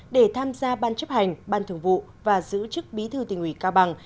để tham gia ban chấp hành ban thường vụ và giữ chức bí thư tỉnh ủy cao bằng